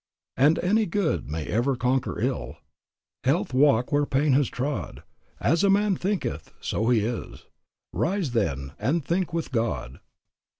"And good may ever conquer ill, Health walk where pain has trod; 'As a man thinketh, so is he,' Rise, then, and think with God."